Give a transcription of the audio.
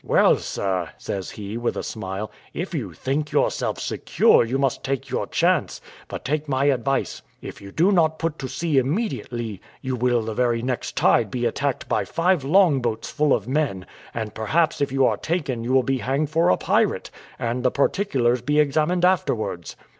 "Well, sir," says he, with a smile, "if you think yourself secure you must take your chance; but take my advice, if you do not put to sea immediately, you will the very next tide be attacked by five longboats full of men, and perhaps if you are taken you will be hanged for a pirate, and the particulars be examined afterwards.